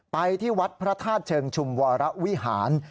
ไปที่วัดพระธาตุเชิงชุมวรวิหาร